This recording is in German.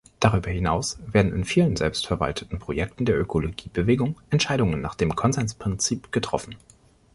Darüber hinaus werden in vielen selbstverwalteten Projekten der Ökologiebewegung Entscheidungen nach dem Konsensprinzip getroffen.